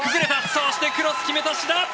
そしてクロス決めた、志田！